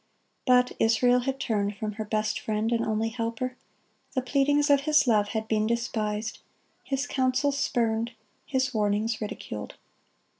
But Israel had turned from her best Friend and only Helper. The pleadings of His love had been despised, His counsels spurned, His warnings ridiculed.